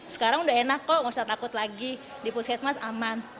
sekarang udah enak kok gak usah takut lagi di puskesmas aman